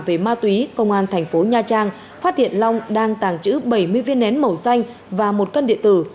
về ma túy công an thành phố nha trang phát hiện long đang tàng trữ bảy mươi viên nén màu xanh và một cân điện tử